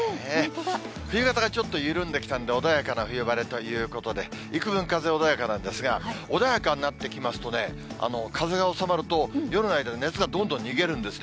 冬型がちょっと緩んできたんで、穏やかな冬晴れということで、いくぶん、風穏やかなんですが、穏やかになってきますとね、風が収まると、夜の間に熱がどんどん逃げるんですね。